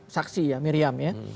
saksi ya miriam ya